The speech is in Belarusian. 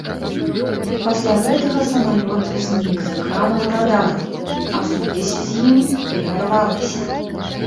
Пасля гэтага самалёт знік з экранаў радараў, а сувязь з ім перарвалася.